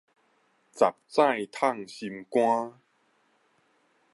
十指迵心肝